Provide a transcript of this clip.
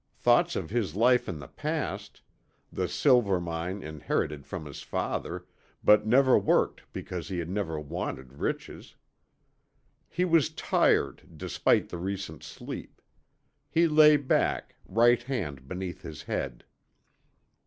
Thoughts of his life in the past; the silver mine inherited from his father, but never worked because he had never wanted riches. He was tired, despite the recent sleep. He lay back, right hand beneath his head.